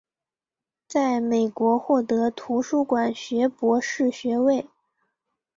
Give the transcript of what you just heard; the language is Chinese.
在美国获得图书馆学博士学位。